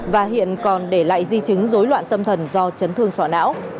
và hiện còn để lại di chứng dối loạn tâm thần do chấn thương sọ não